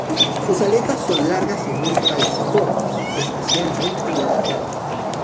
Sus aletas son largas y muy falciformes, especialmente la anal.